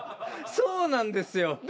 そうなんですよ。